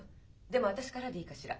でも私からでいいかしら？